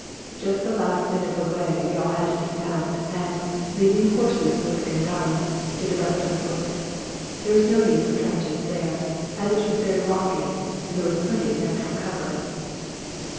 Just the last bit of the way we all had to dismount, and, leaving the horses with the gendarmes, did the rest on foot. There was no need for trenches there, as it was very rocky, and there was plenty of natural cover.